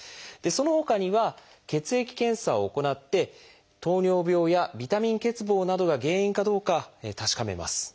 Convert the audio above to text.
そのほかには「血液検査」を行って糖尿病やビタミン欠乏などが原因かどうか確かめます。